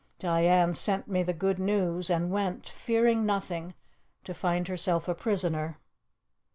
Diane sent me the good news and went, fearing nothing, to find herself a prisoner.